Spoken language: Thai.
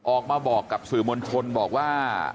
ออกมาบอกกับสื่อมวลชนบอกว่า